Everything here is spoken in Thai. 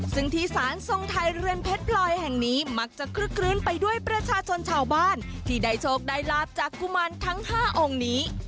ซึ่งที่สารทรงไทยเรือนเพชรพลอยแห่งนี้มักจะคลึกคลื้นไปด้วยประชาชนชาวบ้านที่ได้โชคได้ลาบจากกุมารทั้ง๕องค์นี้